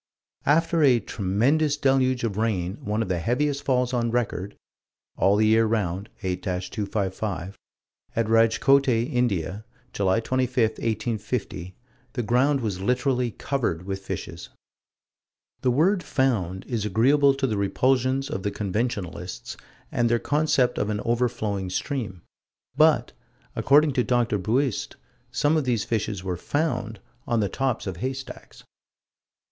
After a "tremendous deluge of rain, one of the heaviest falls on record" (All the Year Round, 8 255) at Rajkote, India, July 25, 1850, "the ground was found literally covered with fishes." The word "found" is agreeable to the repulsions of the conventionalists and their concept of an overflowing stream but, according to Dr. Buist, some of these fishes were "found" on the tops of haystacks.